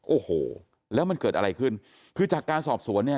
โอ้โหแล้วมันเกิดอะไรขึ้นคือจากการสอบสวนเนี่ย